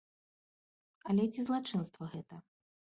Але ці злачынства гэта?